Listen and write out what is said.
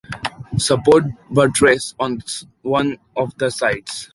Support buttress on one of the sides.